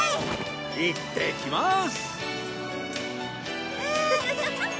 いってきます！